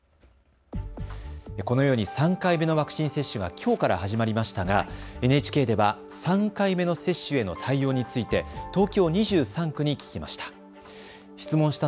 このように３回目のワクチン接種がきょうから始まりましたがＮＨＫでは３回目の接種への対応について東京２３区に聞きました。